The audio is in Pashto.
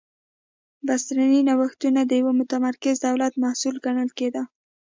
بنسټي نوښتونه د یوه متمرکز دولت محصول ګڼل کېدل.